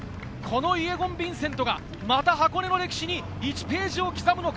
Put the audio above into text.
イェゴン・ヴィンセントがまた箱根の歴史に１ページを刻むのか？